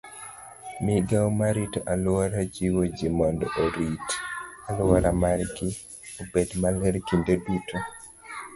Migao marito aluora jiwo ji mondo orit alwora margi obed maler kinde duto.